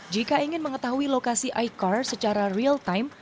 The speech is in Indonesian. jika ingin mengetahui lokasi icar secara real time